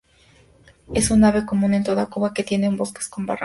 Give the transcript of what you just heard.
Es un ave común en toda Cuba, que vive en bosques con barrancos.